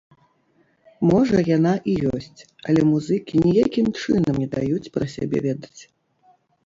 Можа яна і ёсць, але музыкі ніякім чынам не даюць пра сябе ведаць.